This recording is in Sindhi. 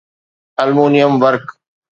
المونيم ورق